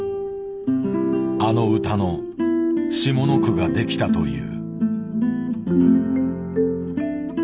あの歌の下の句ができたという。